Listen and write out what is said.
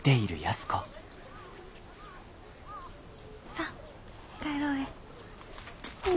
さあ帰ろうえ。